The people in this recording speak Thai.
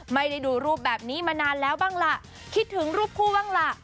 ไม่ได้ดูรูปแบบนี้มานานแล้วบ้างล่ะคิดถึงรูปคู่บ้างล่ะ